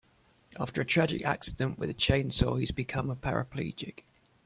After a tragic accident with a chainsaw he has become a paraplegic.